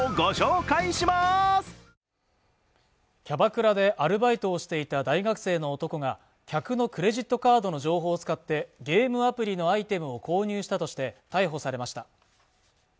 キャバクラでアルバイトをしていた大学生の男が客のクレジットカードの情報を使ってゲームアプリのアイテムを購入したとして逮捕されました